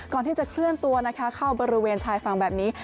ก่อนที่จะเคลื่อนตัวนะคะเข้าบริเวณชายฝั่งแบบนี้